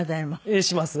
ええします。